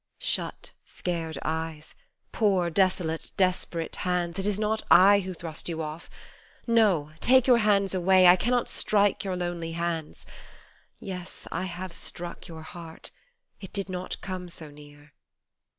Shut, scared eyes, Poor, desolate, desperate hands, it is not I Who thrust you off. No, take your hands away I cannot strike your lonely hands. Yes, I have struck your heart, It did not come so near.